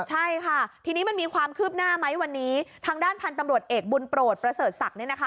ใช่ค่ะทีนี้มันมีความคืบหน้าไหมวันนี้ทางด้านพันธุ์ตำรวจเอกบุญโปรดประเสริฐศักดิ์เนี่ยนะคะ